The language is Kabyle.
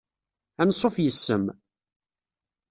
Ansuf yiss-m